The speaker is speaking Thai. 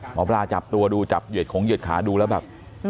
หมอปลาจับตัวดูจับเหยียดขงเหยียดขาดูแล้วแบบ